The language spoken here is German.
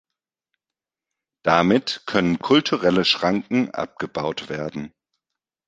Damit können kulturelle Schranken abgebaut werden.